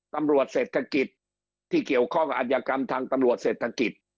ตำรวจเศรษฐกิจที่เกี่ยวข้องอัธยกรรมทางตำรวจเศรษฐกิจ